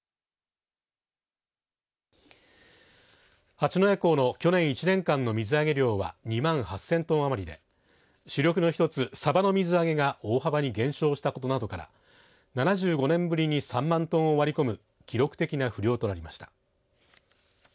八戸港の去年１年間の水揚げ量は２万８０００トン余りで主力の１つさばの水揚げが大幅に減少したことなどから７５年ぶりに３万トンを割り込む記録的な不漁となりました。